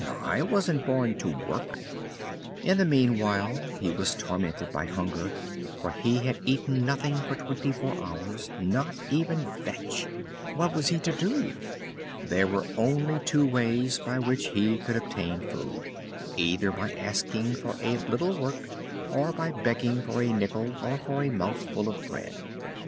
I wasn't born to work!" In the meanwhile he was tormented by hunger, for he had eaten nothing for twenty four hours not even vetch. What was he to do? There were only two ways by which he could obtain food either by asking for a little work, or by begging for a nickel or for a mouthful of bread.